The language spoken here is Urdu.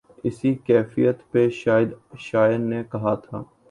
اسی کیفیت پہ شاید شاعر نے کہا تھا۔